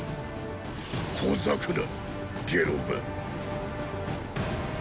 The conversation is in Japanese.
ほざくな下郎が。